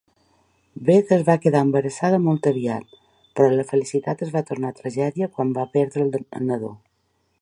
Beth es va quedar embarassada molt aviat, però la felicitat es va tornar tragèdia quan va perdre el nadó.